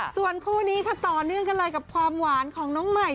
ส่วนคู่นี้ค่ะต่อเนื่องกันเลยกับความหวานของน้องใหม่